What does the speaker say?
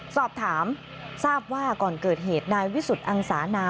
สอบถามทราบว่าก่อนเกิดเหตุนายวิสุทธิอังสานา